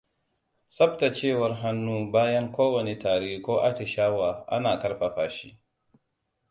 Tsabtacewar hannu bayan kowane tari ko atishawa ana ƙarfafa shi.